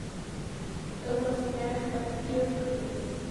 It was panned by theatre critics.